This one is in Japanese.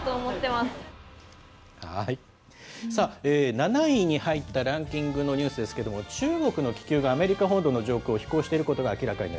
７位に入ったランキングのニュースですけれども、中国の気球がアメリカ本土の上空を飛行していることが明らかにな